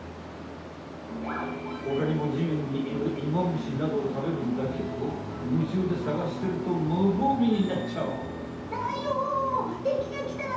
ほかにもじめんにいるイモムシなどをたべるんだけどむちゅうでさがしてると無防備になっちゃう。